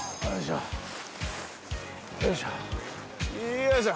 よいしょ。